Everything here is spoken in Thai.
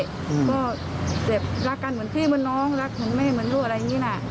ก็เจ็บรักกันเหมือนพี่เหมือนน้องรักเหมือนแม่เหมือนลูกอะไรอย่างนี้นะ